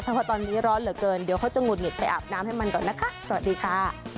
เพราะว่าตอนนี้ร้อนเหลือเกินเดี๋ยวเขาจะหุดหงิดไปอาบน้ำให้มันก่อนนะคะสวัสดีค่ะ